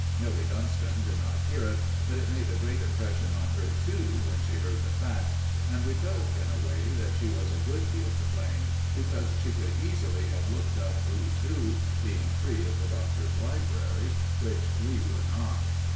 Milly Dunston did not hear it, but it made a great impression on her too, when she heard the facts, and we felt, in a way, that she was a good deal to blame, because she could easily have looked up "Who's Who," being free of the Doctor's library, which we were not.